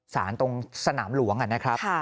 สารตรงสนามหลวงนะครับ